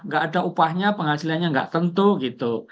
gak ada upahnya penghasilannya nggak tentu gitu